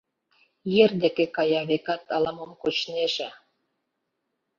Ер деке кая, векат, ала-мом кочнеже.